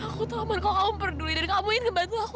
aku tahu man kalau kamu peduli dan kamu ingin ngebantu aku